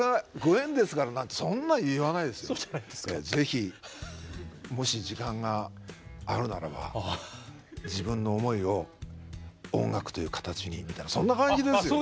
是非もし時間があるならば自分の思いを音楽という形にみたいなそんな感じですよ。